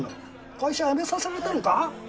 会社辞めさせられたのか？